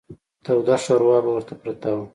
توده شوروا به ورته پرته وه.